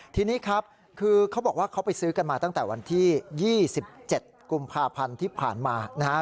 ทีนี้ครับคือเขาบอกว่าเขาไปซื้อกันมาตั้งแต่วันที่๒๗กุมภาพันธ์ที่ผ่านมานะฮะ